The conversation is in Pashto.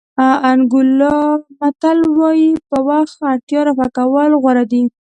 انګولا متل وایي په وخت اړتیا رفع کول غوره دي.